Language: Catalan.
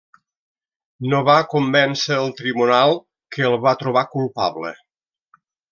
No va convèncer el tribunal, que el va trobar culpable.